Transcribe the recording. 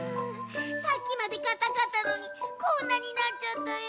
さっきまでかたかったのにこんなになっちゃったよ。